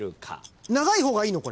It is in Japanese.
長い方がいいの？